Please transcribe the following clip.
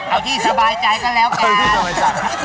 เอาที่สบายใจก็แล้วกัน